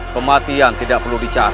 kematian tidak perlu dicari